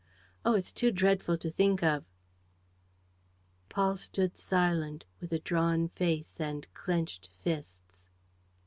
Oh, it's too dreadful to think of. ..." Paul stood silent, with a drawn face and clenched fists.